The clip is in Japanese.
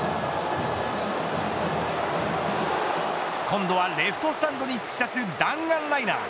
今度はレフトスタンドに突き刺す弾丸ライナー。